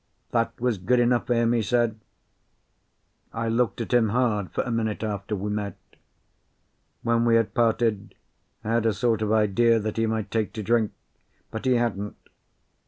That was good enough for him, he said. I looked at him hard for a minute after we met. When we had parted I had a sort of idea that he might take to drink, but he hadn't.